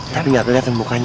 tapi gak keliatan mukanya